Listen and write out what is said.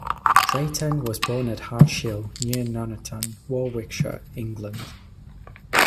Drayton was born at Hartshill, near Nuneaton, Warwickshire, England.